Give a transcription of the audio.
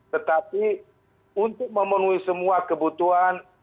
tetapi untuk memenuhi semua kebutuhan